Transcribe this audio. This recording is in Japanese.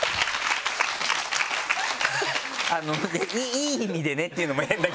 いい意味でねっていうのも変だけど。